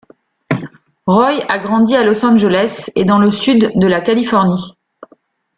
Roy a grandi à Los Angeles et dans le sud de la Californie.